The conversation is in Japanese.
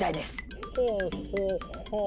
ほうほうほぅ。